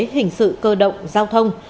hình sự cơ động giao thông